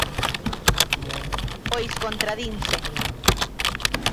Pois contradinse.